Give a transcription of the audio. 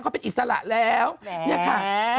เขาเป็นอิสระแล้วเนี่ยค่ะ